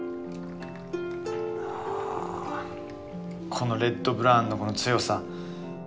このレッドブラウンのこの強さ！